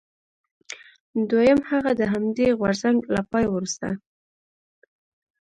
دویم هغه د همدې غورځنګ له پای وروسته.